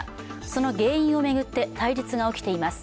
その原因を巡って対立が起きています。